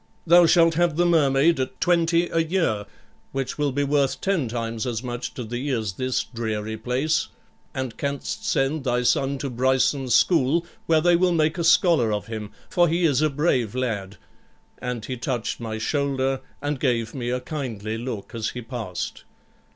Thou shalt have the Mermaid at 20 a year, which will be worth ten times as much to thee as this dreary place; and canst send thy son to Bryson's school, where they will make a scholar of him, for he is a brave lad'; and he touched my shoulder, and gave me a kindly look as he passed.